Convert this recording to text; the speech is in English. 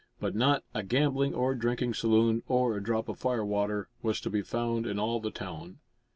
But not a gambling or drinking saloon, or a drop of firewater, was to be found in all the town.